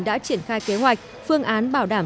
đã triển khai kế hoạch phương án bảo đảm